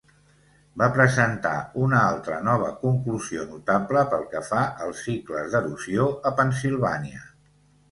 Va presentar una altra nova conclusió notable pel que fa als cicles d'erosió a Pennsilvània.